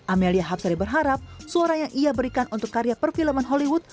amelia hapsari berharap suara yang ia berikan untuk karya perfilman hollywood